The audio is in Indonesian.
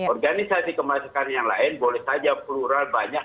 organisasi kemasyakan yang lain boleh saja plural banyak